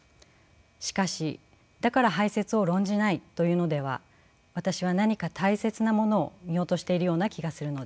しかしだから排泄を論じないというのでは私は何か大切なものを見落としているような気がするのです。